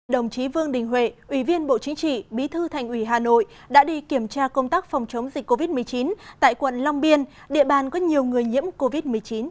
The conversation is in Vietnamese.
đồng chí vương đình huệ ủy viên bộ chính trị bí thư thành ủy hà nội đã đi kiểm tra công tác phòng chống dịch covid một mươi chín tại quận long biên địa bàn có nhiều người nhiễm covid một mươi chín